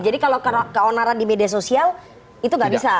jadi kalau keonaran di media sosial itu tidak bisa